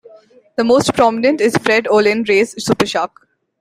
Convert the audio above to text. The most prominent is Fred Olen Ray's "Supershark".